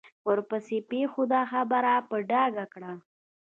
ورپسې پېښو دا خبره په ډاګه کړه.